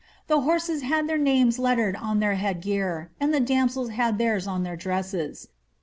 The horses had their names lettered on their head gear, and the damsels had theirs on their dresses.